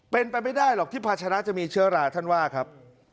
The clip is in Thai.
เป็นไปไม่ได้หรอกที่ภาชนะจะมีเชื้อราท่านว่าครับ